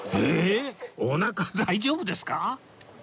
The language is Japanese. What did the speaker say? おなか大丈夫ですか？